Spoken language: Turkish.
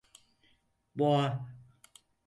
Boğa.